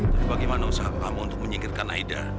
jadi bagaimana usaha kamu untuk menyingkirkan aida